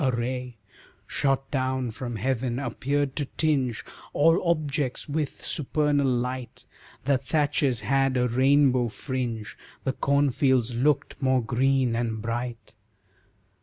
A ray, Shot down from heaven, appeared to tinge All objects with supernal light, The thatches had a rainbow fringe, The cornfields looked more green and bright.